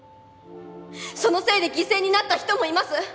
そのせいで犠牲になった人もいます。